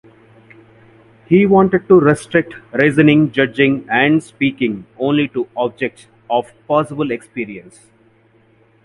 He wanted to restrict reasoning, judging, and speaking only to objects of possible experience.